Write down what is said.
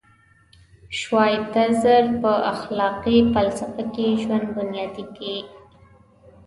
شوایتزر په اخلاقي فلسفه کې ژوند بنیادي ټکی و.